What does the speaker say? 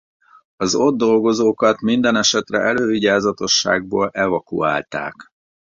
Az ott dolgozókat mindenesetre elővigyázatosságból evakuálták.